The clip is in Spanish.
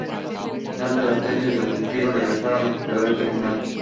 Finalizada la serie, los trillizos regresaron a sus edades originales.